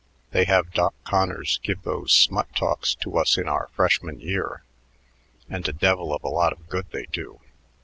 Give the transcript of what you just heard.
They have Doc Conners give those smut talks to us in our freshman year, and a devil of a lot of good they do.